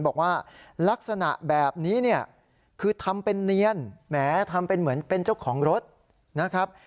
บอกว่าลักษณะแบบนี้เนี่ยคือทำเป็นเนียนแหมทำเป็นเหมือนเป็นเจ้าของรถนะครับ